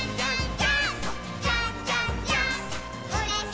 ジャンプ！！